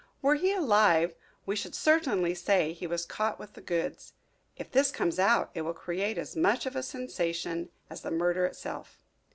Were he alive we should certainly say he was caught with the goods. If this comes out it will create as much of a sensation as the murder itself."